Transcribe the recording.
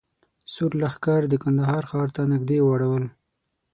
سور لښکر د کندهار ښار ته نږدې واړول.